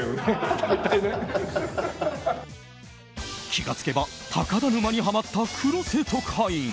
気が付けば高田沼にハマった黒瀬特派員。